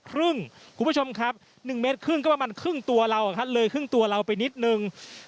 ครึ่งคุณผู้ชมครับ๑เมตรครึ่งก็ประมาณครึ่งตัวเราเลยครึ่งตัวเราไปนิดนึง